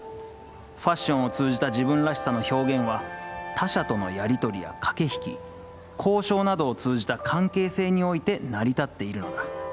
ファッションを通じた自分らしさの表現は、他者とのやり取りや駆け引き、交渉などを通じた関係性において成り立っているのだ。